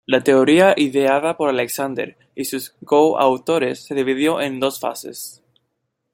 La teoría ideada por Alexander y sus coautores se dividió en dos fases.